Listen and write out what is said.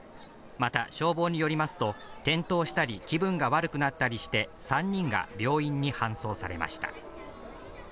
また、消防によりますと、転倒したり気分が悪くなったりして、３人が病院に搬送されました。